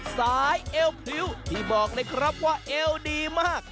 เอวพริ้วที่บอกเลยครับว่าเอวดีมาก